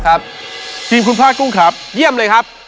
ครับพรีมคุณพลาดกุ้งครับเยี่ยมเลยครับ